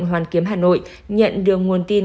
hoàn kiếm hà nội nhận được nguồn tin